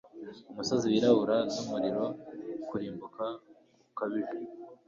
umusozi wirabura n'umuriro, kurimbuka gukabije